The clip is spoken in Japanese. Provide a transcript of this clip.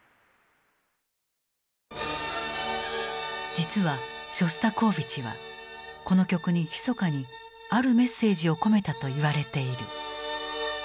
実はショスタコーヴィチはこの曲にひそかにあるメッセージを込めたと言われている。